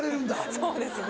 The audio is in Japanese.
そうですね。